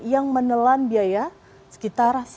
yang menelan biaya kembali ke pasar jomke